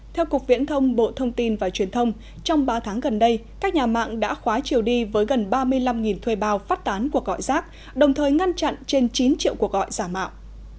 theo cục viễn thông bộ thông tin và truyền thông trong ba tháng gần đây các nhà mạng đã khóa chiều đi với gần ba mươi năm thuê bao phát tán cuộc gọi rác đồng thời ngăn chặn trên chín triệu cuộc gọi giả mạo